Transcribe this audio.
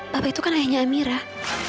bapak itu kan ayahnya amirah